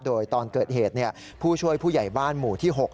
โดยตอนเกิดเหตุผู้ช่วยผู้ใหญ่บ้านหมู่ที่๖